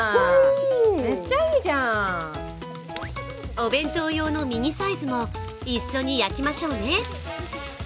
お弁当用のミニサイズも一緒に焼きましょうね。